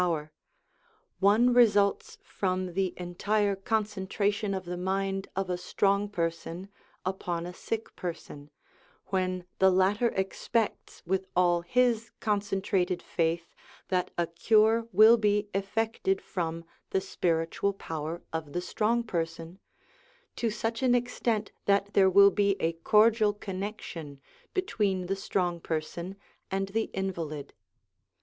1 power one results from the entire concentration of the mind of a strong person upon a sick person, when the latter expects with all his concentrated faith that a cure will be effected from the spiritual power of the strong person, to such an extent that there will be a cordial connection between the strong person and the invalid.